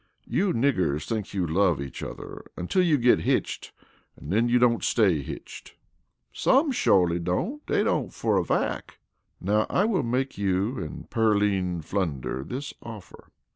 "You niggers think you love each other until you get hitched and then you don't stay hitched." "Some shorely don't dey don't fer a fack." "Now I make you and Pearline Flunder this offer.